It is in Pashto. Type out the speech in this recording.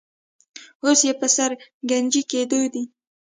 اوس پر سر ګنجۍ کېدونکی دی.